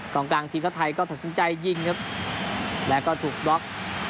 กล่องกลางทีพถ่ายก็สัดสินใจยิงครับแล้วก็ถูกบล็อก